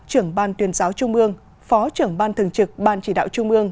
trưởng ban tuyên giáo trung ương phó trưởng ban thường trực ban chỉ đạo trung ương